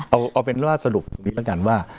เอาเป็นว่าสรุปตรงนี้แล้วกันว่า